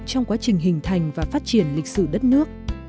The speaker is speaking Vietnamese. trong quá trình hình thành và phát triển lịch sử đất nước